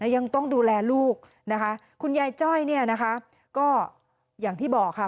ยังต้องดูแลลูกคุณยายจ้อยก็อย่างที่บอกค่ะ